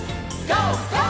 ＧＯ！